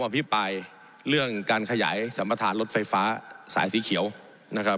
ผมอภิปรายเรื่องการขยายสมภาษณ์รถไฟฟ้าสายสีเขียวนะครับ